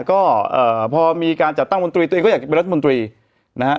ก็พอมีการจัดตั้งมนตรีตัวเองก็อยากจะเป็นรัฐมนตรีนะฮะ